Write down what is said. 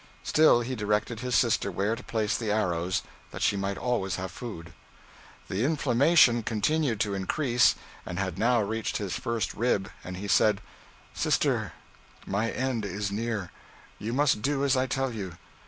Still he directed his sister where to place the arrows, that she might always have food. The inflammation continued to increase, and had now reached his first rib; and he said: 'Sister, my end is near. You must do as I tell you.